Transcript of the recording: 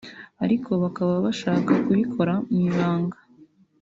ariko bakaba bashaka kubikora mu ibanga